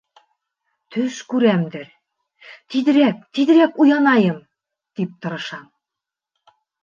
Төш күрәмдер, тиҙерәк, тиҙерәк уянайым, тип тырышам...